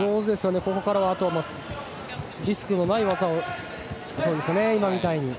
ここからはリスクのない技を今みたいに。